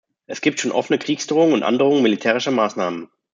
Es gibt schon offene Kriegsdrohungen und Androhungen militärischer Maßnahmen.